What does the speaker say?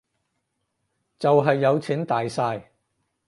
就係有錢大晒